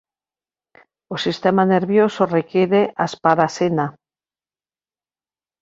O sistema nervioso require asparaxina.